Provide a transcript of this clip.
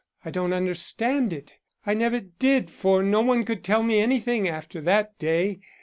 I don't understand it. I never did, for no one could tell me anything after that day.